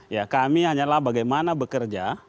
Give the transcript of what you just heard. ya kami hanyalah bagaimana bekerja